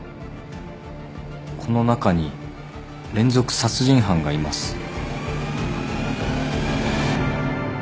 この中に連続殺人犯がいます。